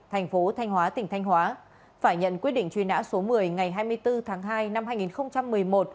thành phố thanh hóa tỉnh thanh hóa phải nhận quyết định truy nã số một mươi ngày hai mươi bốn tháng hai năm hai nghìn một mươi một